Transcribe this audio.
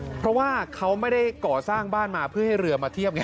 เพราะว่าเขาไม่ได้ก่อสร้างบ้านมาเพื่อให้เรือมาเทียบไง